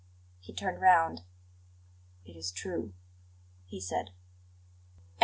He turned round. "It is true," he said.